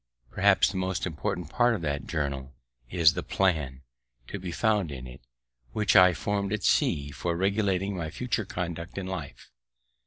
Perhaps the most important part of that journal is the plan to be found in it, which I formed at sea, for regulating my future conduct in life.